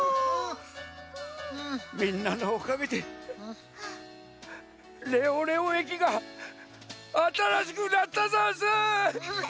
みんなのおかげでレオレオえきがあたらしくなったざんす！